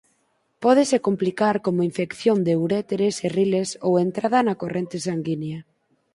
Pódese complicar como infección de uréteres e riles ou entrada na corrente sanguínea.